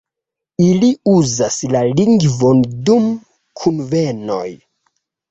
Ili uzas la lingvon dum kunvenoj.